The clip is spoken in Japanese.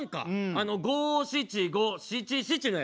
あの五・七・五・七・七のやつ。